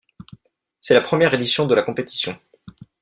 C'est la première édition de la compétition.